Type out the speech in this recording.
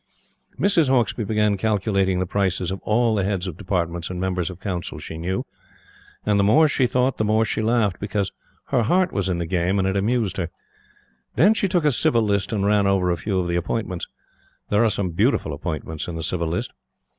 Mrs. Hauksbee began calculating the prices of all the Heads of Departments and Members of Council she knew, and the more she thought the more she laughed, because her heart was in the game and it amused her. Then she took a Civil List and ran over a few of the appointments. There are some beautiful appointments in the Civil List.